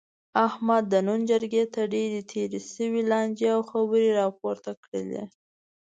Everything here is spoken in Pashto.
احمد د نن جرګې ته ډېرې تېرې شوې لانجې او خبرې را پورته کړلې.